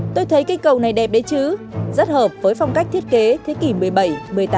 tôi thấy cây cầu này đẹp đấy chứ rất hợp với phong cách thiết kế thế kỷ một mươi bảy một mươi tám